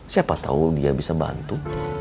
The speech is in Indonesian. siapa tahu dia bisa bantu